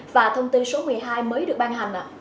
và thông tư số một mươi hai mới được ban hành ạ